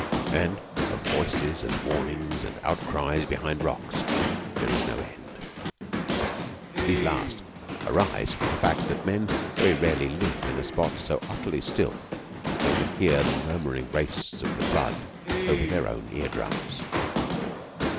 And of voices and warnings and outcries behind rocks there is no end. These last arise from the fact that men very rarely live in a spot so utterly still that they can hear the murmuring race of the blood over their own ear drums.